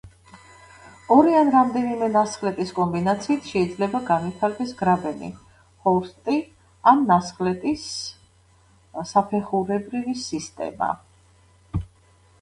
ორი ან რამდენიმე ნასხლეტის კომბინაციით შეიძლება განვითარდეს გრაბენი, ჰორსტი ან ნასხლეტის საფეხურებრივი სისტემა.